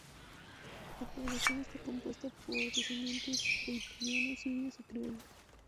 La población está compuesta por descendientes de italianos, sirios y criollos.